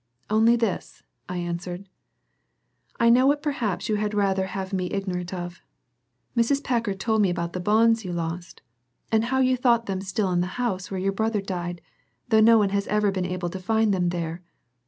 "Only this," I answered. "I know what perhaps you had rather have had me ignorant of. Mrs. Packard told me about the bonds you lost, and how you thought them still in the house where your brother died, though no one has ever been able to find them there.